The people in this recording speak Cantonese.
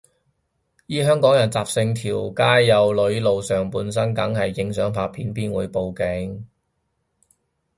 依香港人習性，條街有女露上半身梗係影相拍片，邊會報警